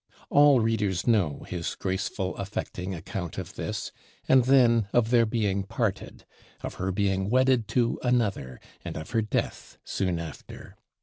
All readers know his graceful affecting account of this; and then of their being parted; of her being wedded to another, and of her death soon after.